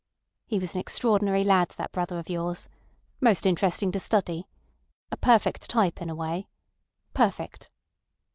"He was an extraordinary lad, that brother of yours. Most interesting to study. A perfect type in a way. Perfect!"